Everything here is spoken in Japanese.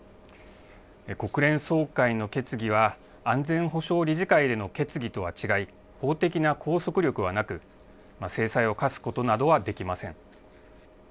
国連総会の決議は、安全保障理事会での決議とは違い、法的な拘束力はなく、制裁を科すことなどはできません。